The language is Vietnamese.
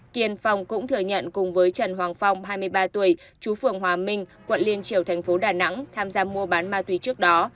kiên phong cũng thừa nhận cùng với trần hoàng phong hai mươi ba tuổi chú phường hòa minh quận liên triều thành phố đà nẵng tham gia mua bán ma túy trước đó